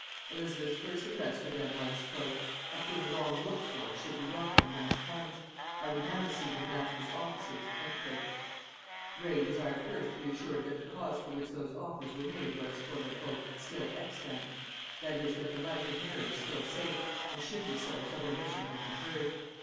Elizabeth's first address to them was, "A thing long looked for should be welcome when it comes; I would now see your master's offers." Gray desired first to be assured that the cause for which those offers were made was "still extant;" that is, that the life of Mary was still safe, and should be so till their mission had been heard.